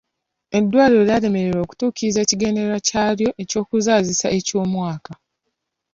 Eddwaliro lyalemererwa okutuukiriza ekigendererwa kyalyo eky'okuzaalisa eky'omwaka.